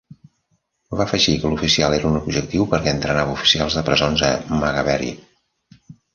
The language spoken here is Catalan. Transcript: Va afegir que l'oficial era un objectiu perquè entrenava oficials de presons a Maghaberry.